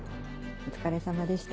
お疲れさまでした。